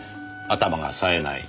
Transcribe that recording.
頭がさえない。